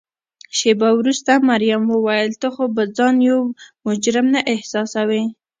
شیبه وروسته مريم وویل: ته خو به ځان یو مجرم نه احساسوې؟